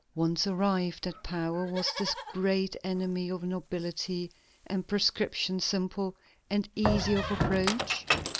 Once arrived at power, was this great enemy of nobility and prescription simple, and easy of approach?